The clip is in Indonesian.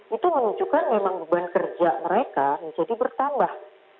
itu menunjukkan memang beban kerja mereka menjadi bertambah